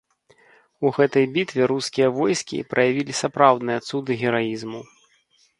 У гэтай бітве рускія войскі праявілі сапраўдныя цуды гераізму.